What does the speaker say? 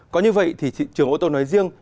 có như vậy thì thị trường ô tô nói riêng